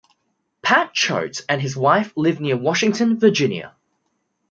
Pat Choate and his wife live near Washington, Virginia.